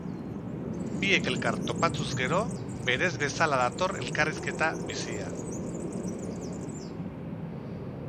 Biek elkar topatuz gero, berez bezala dator elkarrizketa bizia.